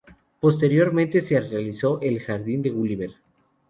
Posteriormente, se realizó el jardín de Gulliver.